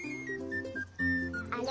あれ？